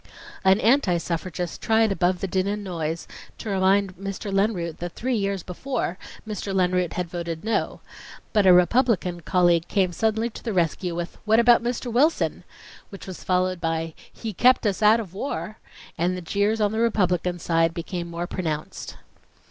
An anti suffragist tried above the din and noise to remind Mr. Lenroot that three years before Mr. Lenroot had voted "No," but a Republican colleague came suddenly to the rescue with "What about Mr. Wilson?" which was followed by, "He kept us out of war," and the jeers on the Republican side became more pronounced.